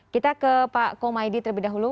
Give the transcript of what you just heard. kita ke pak komaydi terlebih dahulu